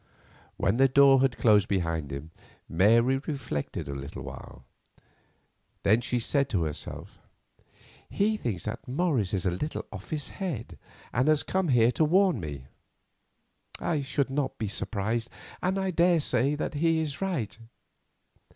When the door had closed behind him Mary reflected awhile. Then she said to herself: "He thinks Morris is a little off his head, and has come here to warn me. I should not be surprised, and I daresay that he is right.